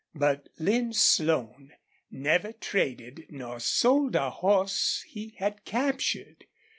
But Lin Slone never traded nor sold a horse he had captured.